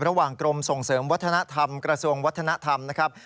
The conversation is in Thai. กรมส่งเสริมวัฒนธรรมกระทรวงวัฒนธรรมนะครับ